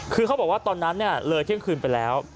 คือเขาบอกว่าตอนนั้นเลยเที่ยงคืนไปแล้ว